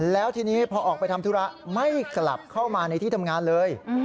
แล้วทีนี้พอออกไปทำธุระไม่กลับเข้ามาในที่ทำงานเลย